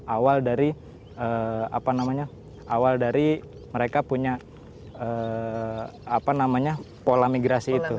awal dari apa namanya awal dari mereka punya apa namanya pola migrasi itu